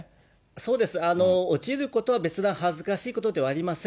そうです、落ちることは別段、恥ずかしいことではありません。